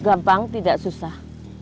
gampang tidak susah